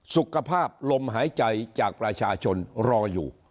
สุขภาพลมหายใจจากประชาชนรออยู่